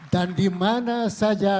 dan dimana saja